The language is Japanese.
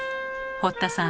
堀田さん